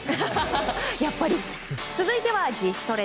続いては自主トレ。